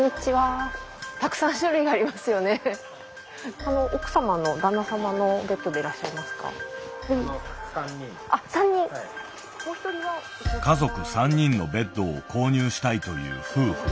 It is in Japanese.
家族３人のベッドを購入したいという夫婦。